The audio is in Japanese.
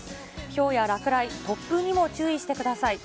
ひょうや落雷、突風にも注意してください。